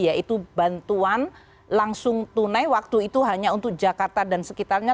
yaitu bantuan langsung tunai waktu itu hanya untuk jakarta dan sekitarnya